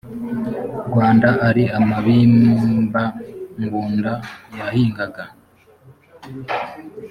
rwanda ari amabimba ngunda yahingaga